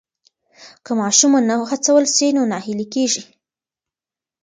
که ماشوم ونه هڅول سي نو ناهیلی کېږي.